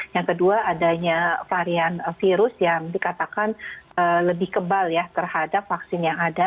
yang kedua adanya varian virus yang dikatakan lebih kebal ya terhadap vaksin yang ada